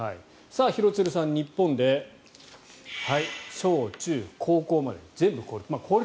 廣津留さん、日本で小中高校まで全部公立。